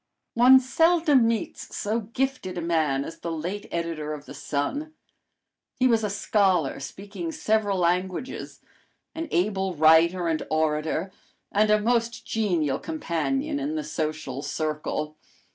One seldom meets so gifted a man as the late editor of the Sun. He was a scholar, speaking several languages; an able writer and orator, and a most genial companion in the social circle.